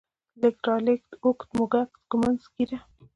لېږد، رالېږد، اوږد، موږک، ږمنځ، ږيره